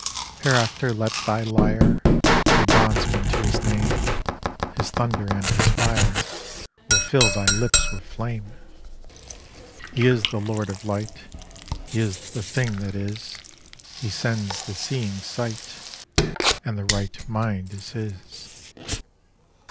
Hereafter let thy lyre Be bondsman to His name; His thunder and His fire Will fill thy lips with flame. He is the Lord of Light; He is the Thing That Is; He sends the seeing sight; And the right mind is His.